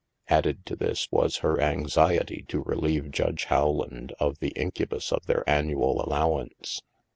Added to this was her anxiety to relieve Judge Rowland of the incubus of their annual allowance.